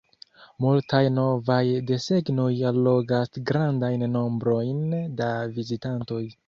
Multaj novaj desegnoj allogas grandajn nombrojn da vizitantoj.